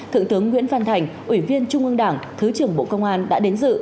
thượng tướng nguyễn văn thành ủy viên trung ương đảng thứ trưởng bộ công an đã đến dự